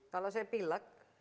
kalau saya pilek